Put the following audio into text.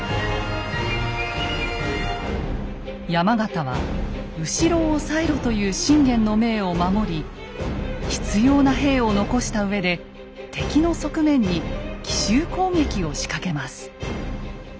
山県は「後ろを抑えろ」という信玄の命を守り必要な兵を残したうえで敵の側面に奇襲攻撃を仕掛けます。